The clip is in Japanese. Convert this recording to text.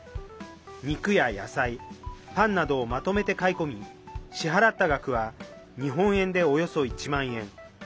肉や野菜、パンなどをまとめて買い込み支払った額は日本円でおよそ１万円。